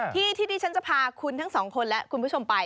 ที่ที่ฉันจะพาคุณทั้งสองคนและคุณผู้ชมไป